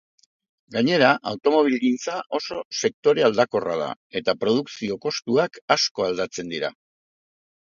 Gainera, automobilgintza oso sektore aldakorra da eta produkzio-kostuak asko aldatzen dira